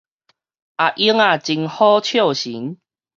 阿英仔真好笑神